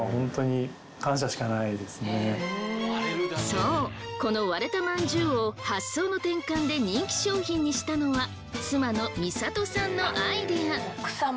そうこの割れたまんじゅうを発想の転換で人気商品にしたのは妻の深里さんのアイデア。